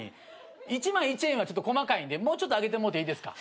１万１円はちょっと細かいんでもうちょっと上げてもうていいですか？